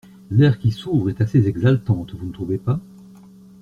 L’ère qui s’ouvre est assez exaltante, vous ne trouvez pas?